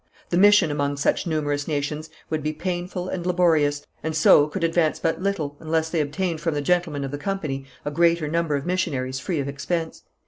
The mission among such numerous nations would be painful and laborious, and so could advance but little unless they obtained from the gentlemen of the company a greater number of missionaries free of expense.